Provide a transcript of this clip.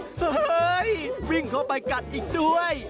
เฮ้ยวิ่งเข้าไปกัดอีกด้วย